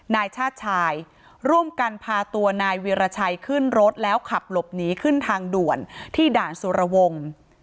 นายชาติชายร่วมกันพาตัวนายวีรชัยขึ้นรถแล้วขับหลบหนีขึ้นทางด่วนที่ด่านสุรวงศ์